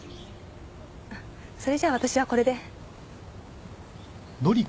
それじゃ私はこれで。